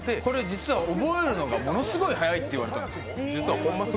実は覚えるのがものすごいはやいって言われたんです。